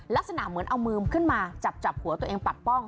ลักษณะเหมือนเอามือขึ้นมาจับหัวตัวเองปัดป้อง